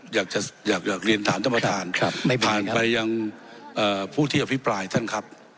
อยากเรียนถามท่านประธานผ่านไปยังผู้ที่อภิปรายท่านครับ